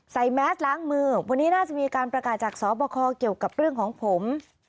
แมสล้างมือวันนี้น่าจะมีการประกาศจากสอบคอเกี่ยวกับเรื่องของผม